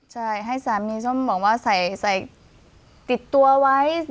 ใช่ให้สามีส้มบอกว่าใส่ติดตัวไว้